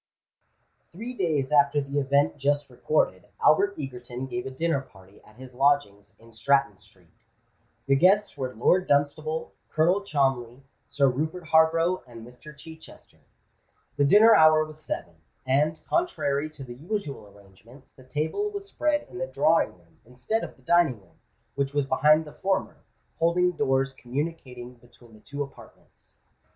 Three days after the event just recorded, Albert Egerton gave a dinner party at his lodgings in Stratton Street. The guests were Lord Dunstable, Colonel Cholmondeley, Sir Rupert Harborough, and Mr. Chichester. The dinner hour was seven; and, contrary to the usual arrangements, the table was spread in the drawing room, instead of the dining room, which was behind the former, folding doors communicating between the two apartments.